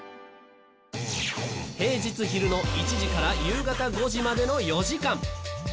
平日昼の１時から夕方５時までの４時間。